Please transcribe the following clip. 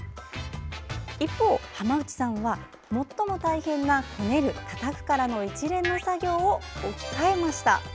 一方、浜内さんは最も大変なこねる・たたくからの一連の作業を置き換えました。